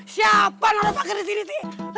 siapa yang ngerapak ke sini t